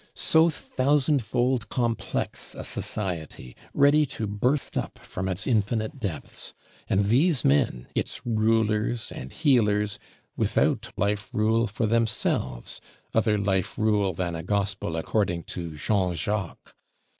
So thousandfold complex a Society, ready to burst up from its infinite depths; and these men, its rulers and healers, without life rule for themselves, other life rule than a Gospel according to Jean Jacques!